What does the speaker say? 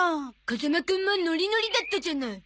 風間くんもノリノリだったじゃない。